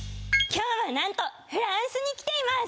今日はなんとフランスに来ています。